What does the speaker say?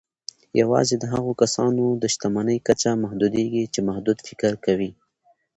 يوازې د هغو کسانو د شتمني کچه محدودېږي چې محدود فکر کوي.